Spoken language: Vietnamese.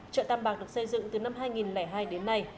chợ tam bạc được xây dựng từ năm hai nghìn hai đến nay